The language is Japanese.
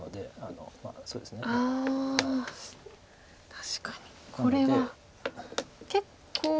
確かにこれは結構まだ。